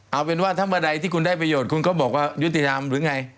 เอาเป็นว่าถ้าเมื่อใดที่คุณได้ประโยชน์คุณก็บอกว่ายุติธรรมหรือไง